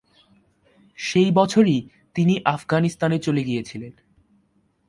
সেই বছরই তিনি আফগানিস্তানে চলে গিয়েছিলেন।